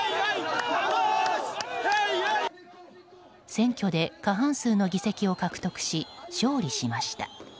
選挙で過半数の議席を獲得し勝利しました。